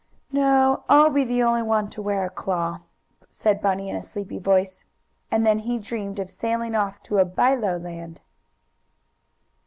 "No, I'll be the only one to wear a claw," said Bunny in a sleepy voice, and then he dreamed of sailing off to "by low land."